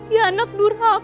ya anak durhaka bu